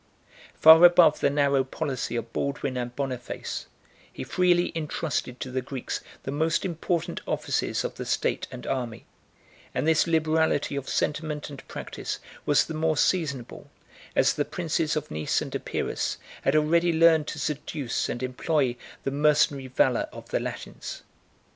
Far above the narrow policy of Baldwin and Boniface, he freely intrusted to the Greeks the most important offices of the state and army; and this liberality of sentiment and practice was the more seasonable, as the princes of Nice and Epirus had already learned to seduce and employ the mercenary valor of the Latins.